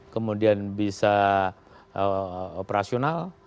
kemudian bisa operasional